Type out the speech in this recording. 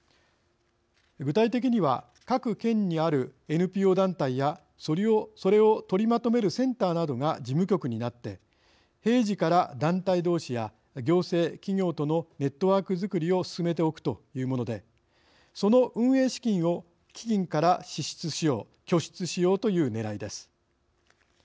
具体的には各県にあるＮＰＯ団体やそれを取りまとめるセンターなどが事務局になり平時から団体どうしや行政企業とのネットワークづくりを進めておくというものでその運営資金を基金から拠出しようというねらいです。